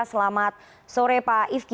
selamat sore pak ifki